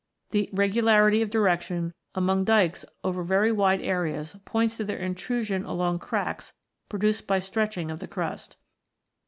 The regularity of direction among dykes over very wide areas points to their intrusion along cracks produced by stretching of the crust.